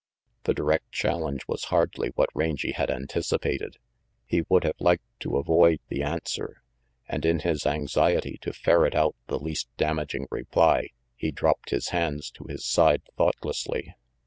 The direct challenge was hardly what Rangy had anticipated. He would have liked to avoid the answer, and in his anxiety to ferret out the least damaging reply he dropped his hands to his side thoughtlessly.